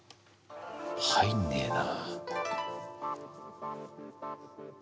入んねえな。